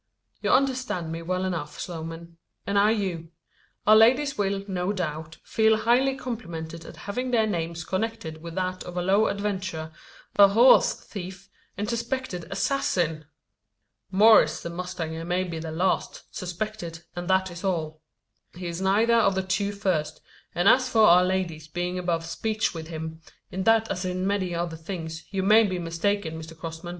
"You understand me well enough, Sloman; and I you. Our ladies will, no doubt, feel highly complimented at having their names connected with that of a low adventurer, a horse thief, and suspected assassin!" "Maurice the mustanger may be the last suspected, and that is all. He is neither of the two first; and as for our ladies being above speech with him, in that as in many other things, you may be mistaken, Mr Crossman.